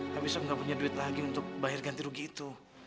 tapi saya nggak punya duit lagi untuk bayar ganti rugi itu